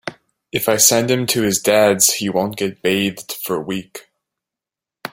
If I send him to his Dad’s he won’t get bathed for a week.